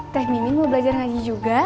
teh mimin mau belajar ngaji juga